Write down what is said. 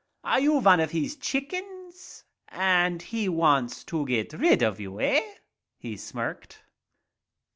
Are you vun of his chickens and he wants to get rid of you, eh ?" he smirked.